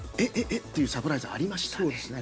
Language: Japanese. ていうサプライズがありましたね。